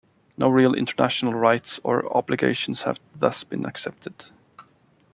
No real international rights or obligations have thus been accepted.